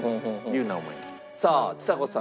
さあちさ子さん